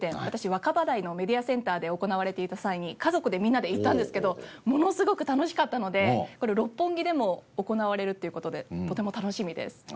若葉台のメディアセンターで行われていた際に家族でみんなで行ったんですけどものすごく楽しかったのでこれ六本木でも行われるっていう事でとても楽しみです。